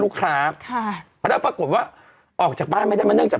ลูกค้าค่ะแล้วปรากฏว่าออกจากบ้านไม่ได้มาเนื่องจาก